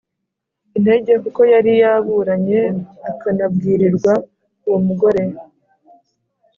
intege kuko yari yaburaye akanabwirirwa Uwo mugore